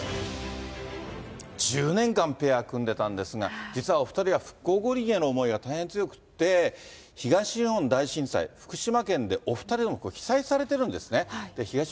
１０年間ペア組んでたんですが、実はお２人は復興五輪への思いが大変強くって、東日本大震災、福島県でお２人とも被災されているんですね。